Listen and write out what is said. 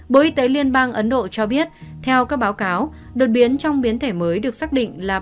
bộ y tế liên bang ấn độ cho biết theo các báo cáo đột biến trong biến thể mới được xác định là